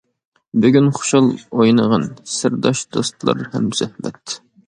بۈگۈن خۇشال ئوينىغىن، سىرداش دوستلار ھەمسۆھبەت.